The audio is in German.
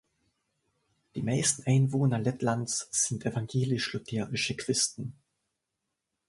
Die meisten Einwohner Lettlands sind evangelisch-lutherische Christen.